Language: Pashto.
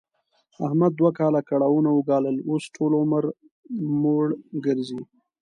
احمد دوه کاله کړاوونه و ګالل، اوس ټول عمر موړ ګرځي.